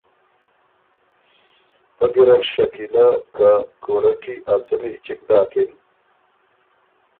پۀ ګیرډ شکیلۀ که کُورۀ کی ا څمی چِګ داکِن۔